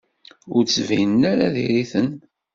Ur d-ttbinen ara diri-ten.